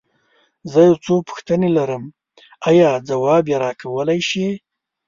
زه يو څو پوښتنې لرم، ايا ځواب يې راکولی شې؟